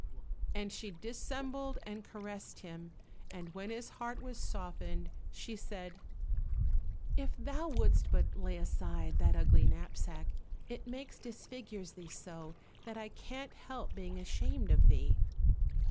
and she dissembled and caressed him, and when his heart was softened, she said, "If thou wouldst but lay aside that ugly knapsack, it makes disfigures thee so, that I can't help being ashamed of thee."